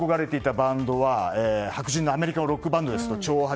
そのころ憧れていたバンドは白人のアメリカのロックバンドですと挑発。